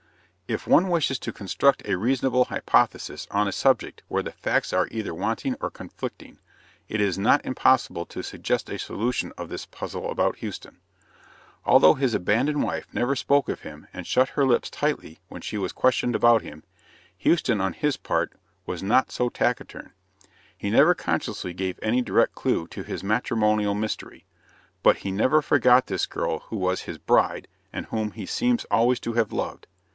If one wishes to construct a reasonable hypothesis on a subject where the facts are either wanting or conflicting, it is not impossible to suggest a solution of this puzzle about Houston. Although his abandoned wife never spoke of him and shut her lips tightly when she was questioned about him, Houston, on his part, was not so taciturn. He never consciously gave any direct clue to his matrimonial mystery; but he never forgot this girl who was his bride and whom he seems always to have loved.